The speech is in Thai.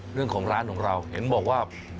เรื่องของร้านของเราเห็นบอกว่า